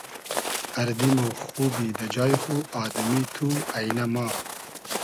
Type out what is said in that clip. اردی مۉ خوبی دۂ جای خو آدئمی تو اݷنۂ ما